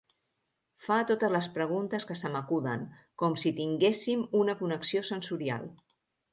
Fa totes les preguntes que se m'acuden, com si tinguéssim una connexió sensorial.